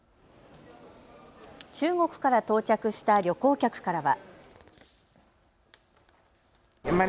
中国から到着した旅行客からは。